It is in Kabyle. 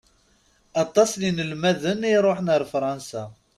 Aṭas n inelmaden i iṛuḥen ar Fransa.